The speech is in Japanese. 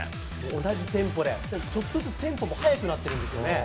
同じテンポで、ちょっとずつテンポも速くなってるんですよね。